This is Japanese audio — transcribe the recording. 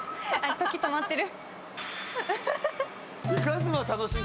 時、止まってる。